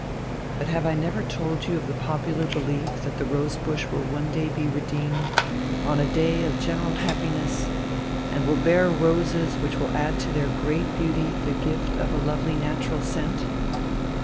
"But have I ever told you of the popular belief that the rose bush will one day be redeemed, on a day of general happiness, and will bear roses which will add to their great beauty the gift of a lovely natural scent?"